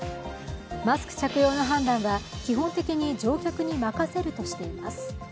マスク着用の判断は基本的に乗客に任せるとしています。